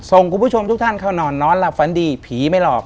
คุณผู้ชมทุกท่านเข้านอนนอนหลับฝันดีผีไม่หลอก